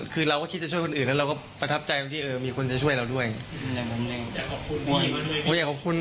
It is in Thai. คือเราก็คิดโฉ่ช่วยคนอื่นและสบาย